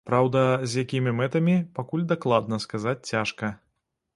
Праўда, з якімі мэтамі, пакуль дакладна сказаць цяжка.